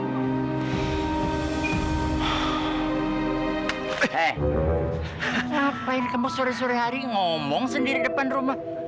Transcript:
hah ngapain kamu sore sore hari ngomong sendiri depan rumah